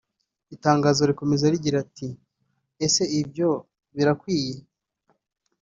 Itangazo rikomeza rigira riti “Ese ibyo birakwiye